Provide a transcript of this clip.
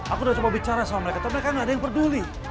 aku udah cuma bicara sama mereka tapi mereka gak ada yang peduli